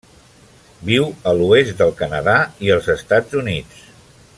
Viu a l'oest del Canadà i els Estats Units.